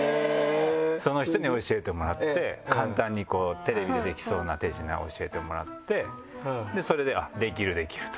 その人に教えてもらって簡単にこうテレビでできそうな手品を教えてもらってそれでできるできると。